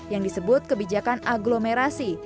yang disebut kebijakan agglomerasi